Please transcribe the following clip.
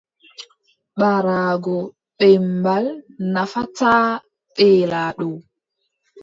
Ɓaraago beembal nafataa beelaaɗo.